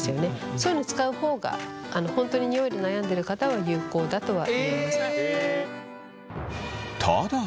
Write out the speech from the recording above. そういうのを使う方が本当にニオイで悩んでる方は有効だとは思います。